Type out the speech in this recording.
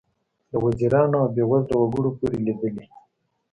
له وزیرانو او بې وزلو وګړو پورې لیدلي.